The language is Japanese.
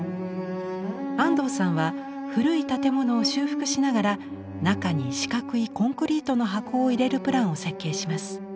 安藤さんは古い建物を修復しながら中に四角いコンクリートの箱を入れるプランを設計します。